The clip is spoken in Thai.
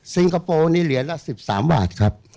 คโปร์นี่เหรียญละ๑๓บาทครับ